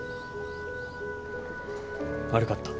悪かった。